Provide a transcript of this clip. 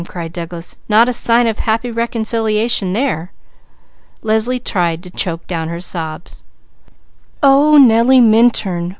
cried Douglas. "Not a sign of happy reconciliation there!" Leslie tried to choke down her sobs. "Oh Nellie Minturn!